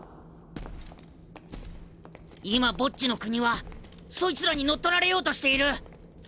今ボッジの国はそいつらに乗っ取られようとしている。